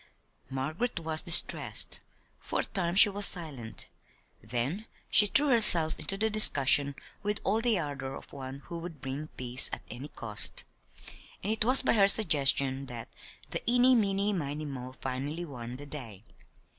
Margaret was distressed. For a time she was silent; then she threw herself into the discussion with all the ardor of one who would bring peace at any cost; and it was by her suggestion that the "Eeny, meany, miny, mo," finally won the day.